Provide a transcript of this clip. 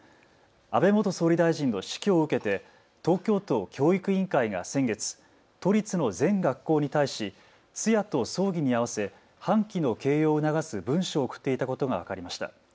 安倍元総理大臣の死去を受けて東京都教育委員会が先月、都立の全学校に対し通夜と葬儀に合わせ半旗の掲揚を促す文書を送っていたことが分かりました。